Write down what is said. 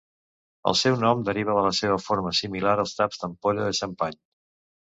El seu nom deriva de la seva forma similar als taps d'ampolla de xampany.